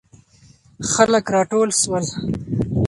خلک راټول سول.